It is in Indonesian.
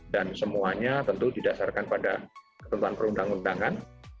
semuanya tentu didasarkan pada ketentuan perundang undangan